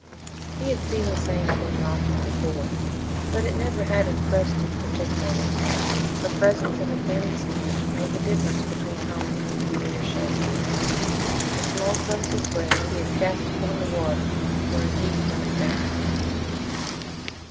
He had seen the same thing often before, but it never had impressed him particularly. Her presence in the canvas tent made the difference between home and a mere shelter. The small crumbs of bread he had cast upon the water were indeed coming back to him.